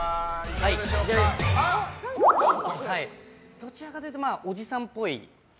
どちらかというとおじさんっぽい。